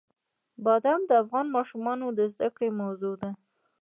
بادام د افغان ماشومانو د زده کړې موضوع ده.